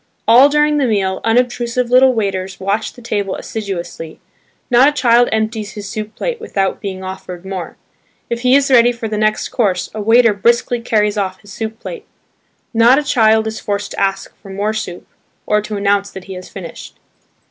All during the meal unobtrusive little waiters watch the table assiduously; not a child empties his soup plate without being offered more; if he is ready for the next course a waiter briskly carries off his soup plate. Not a child is forced to ask for more soup, or to announce that he has finished.